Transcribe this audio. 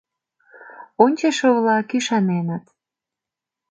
Ончышо-влак ӱшаненыт.